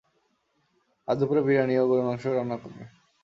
আজকে দুপুরে বিরিয়ানি ও গরুর মাংস রান্না করবে।